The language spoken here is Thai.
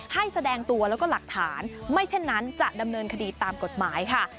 แสดงตัวแล้วก็หลักฐานไม่เช่นนั้นจะดำเนินคดีตามกฎหมายค่ะ